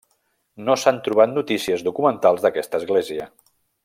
No s'han trobat notícies documentals d'aquesta església.